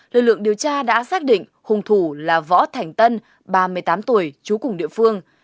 lực lượng điều tra đã xác định hùng thủ là võ thành tân ba mươi tám tuổi trú cùng địa phương